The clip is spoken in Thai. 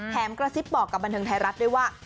กระซิบบอกกับบันเทิงไทยรัฐด้วยว่า